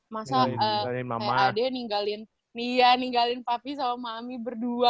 masa adek ninggalin papa sama mami berdua